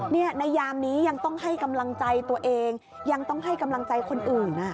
ในยามนี้ยังต้องให้กำลังใจตัวเองยังต้องให้กำลังใจคนอื่น